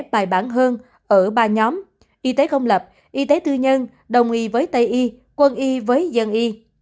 bài bản hơn ở ba nhóm y tế công lập y tế tư nhân đồng y với tây y quân y với dân y